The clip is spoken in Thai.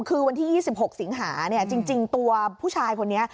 คือวันที่๒๖สิงหาเนี่ยจริงตัวผู้ชายคนนี้